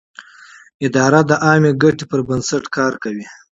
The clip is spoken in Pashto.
اداره د عامه مصلحت پر بنسټ کار کوي.